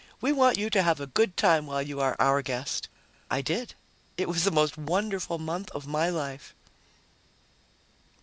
We want you to have a good time while you are our guest." I did. It was the most wonderful month of my life.